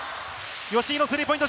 吉井のスリーポイント